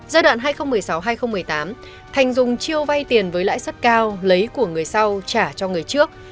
giai đoạn hai nghìn một mươi sáu hai nghìn một mươi tám thành dùng chiêu vay tiền với lãi suất cao lấy của người sau trả cho người trước